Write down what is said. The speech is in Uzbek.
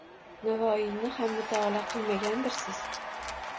— Navoiyni ham mutolaa qilmagandirsiz?